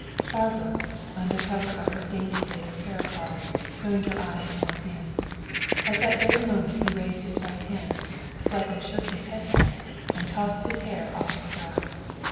Barbara, under cover of her dainty lace parasol, turned her eyes upon him. At that very moment he raised his right hand, slightly shook his head back, and tossed his hair off his brow.